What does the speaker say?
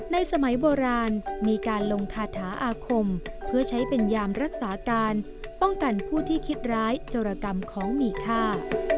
สมัยโบราณมีการลงคาถาอาคมเพื่อใช้เป็นยามรักษาการป้องกันผู้ที่คิดร้ายโจรกรรมของมีค่า